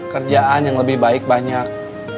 kerjaan yang lebih baik banyak